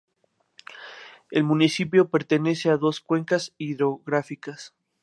El municipio pertenece a dos cuencas hidrográficas.